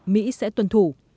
mỹ sẽ tuân thủ